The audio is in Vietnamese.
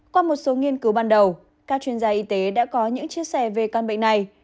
qua một số nghiên cứu ban đầu các chuyên gia y tế đã có những chia sẻ về căn bệnh này